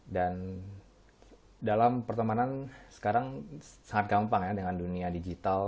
dan dalam pertemanan sekarang sangat gampang ya dengan dunia digital